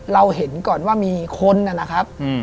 เราเห็นก่อนว่ามีคนนะครับ